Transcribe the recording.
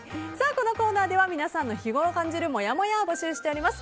このコーナーでは皆さんの日頃感じるもやもやを募集しています。